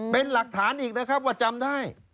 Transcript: เป็นหลักฐานอีกนะครับว่าจำได้